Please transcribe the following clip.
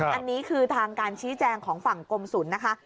อันนี้คือทางการชี้แจงของฝั่งกรมศูนย์นะคะ